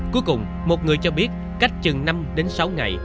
cuối cùng một người cho biết cách chừng năm đến sáu ngày